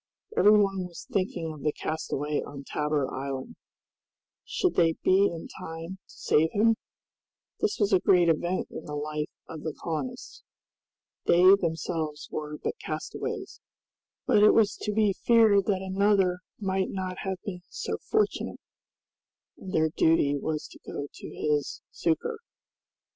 Every one was thinking of the castaway on Tabor Island. Should they be in time to save him? This was a great event in the life of the colonists! They themselves were but castaways, but it was to be feared that another might not have been so fortunate, and their duty was to go to his succor.